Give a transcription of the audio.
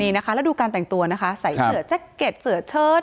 นี่นะคะแล้วดูการแต่งตัวนะคะใส่เสือแจ็คเก็ตเสือเชิด